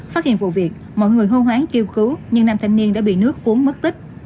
phát hiện vụ việc mọi người hô hoán kêu cứu nhưng nam thanh niên đã bị nước cuốn mất tích